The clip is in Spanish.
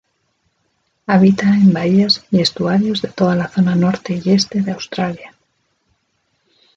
Habita en bahías y estuarios de toda la zona norte y este de Australia.